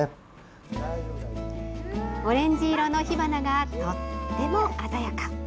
オレンジ色の火花がとっても鮮やか。